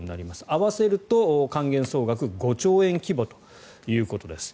合わせると還元総額５兆円規模ということです。